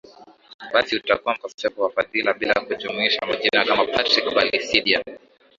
Basi utakuwa mkosefu wa fadhila bila kujumuisha majina kama Patrick Balisidya